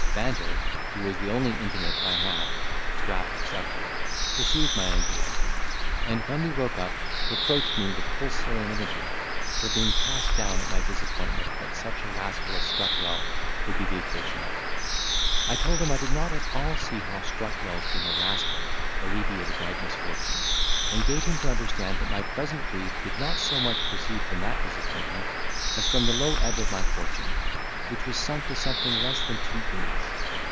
Banter, who was the only intimate I had (Strap excepted), perceived my anxiety, and, when we broke up, reproached me with pusillanimity, for being cast down at my disappointment that such a rascal as Strutwell could be the occasion of. I told him I did not at all see how Strutwell's being a rascal alleviated my misfortune; and gave him to understand that my present grief did not so much proceed from that disappointment, as from the low ebb of my fortune, which was sunk to something less than two guineas.